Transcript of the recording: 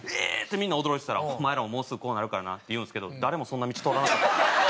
みんな驚いてたら「お前らももうすぐこうなるからな」って言うんですけど誰もそんな道通らなかった。